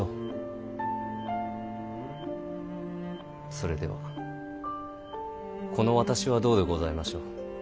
それではこの私はどうでございましょう。